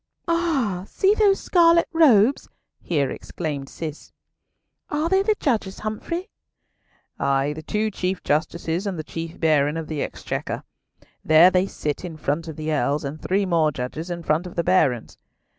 "Ah! see those scarlet robes," here exclaimed Cis. "Are they the judges, Humfrey?" "Ay, the two Chief Justices and the Chief Baron of the Exchequer. There they sit in front of the Earls, and three more judges in front of the Barons."